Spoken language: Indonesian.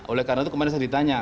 oleh karena itu kemarin saya ditanya